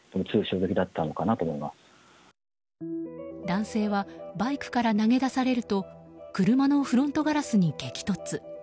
男性はバイクから投げ出されると車のフロントガラスに激突。